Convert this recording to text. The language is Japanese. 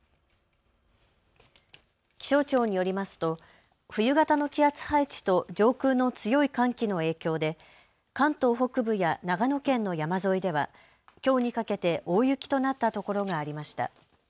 気象庁によりますと冬型の気圧配置と上空の強い寒気の影響で関東北部や長野県の山沿いではきょうにかけて大雪となったところがありました。